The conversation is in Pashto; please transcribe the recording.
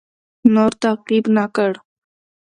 نور تعقیب نه کړ.